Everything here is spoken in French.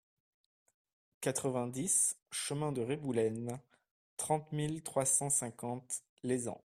quatre-vingt-dix chemin de Reboulène, trente mille trois cent cinquante Lézan